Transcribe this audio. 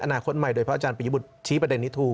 อนาคตใหม่โดยพระอาจารย์ปริยบุตรชี้ประเด็นนี้ถูก